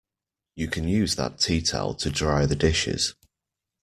You can use that tea towel to dry the dishes